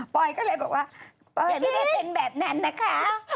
อยก็เลยบอกว่าปอยไม่ได้เป็นแบบนั้นนะคะ